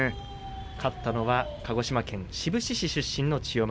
勝ったのは鹿児島県志布志市出身の千代丸。